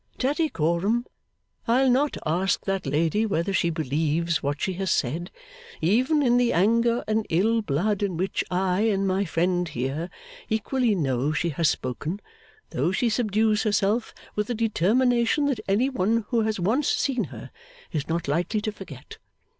Tattycoram, I'll not ask that lady whether she believes what she has said, even in the anger and ill blood in which I and my friend here equally know she has spoken, though she subdues herself, with a determination that any one who has once seen her is not likely to forget.